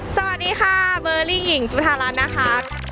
สวัสดีค่ะเบอร์รี่หญิงจุธารัฐนะคะ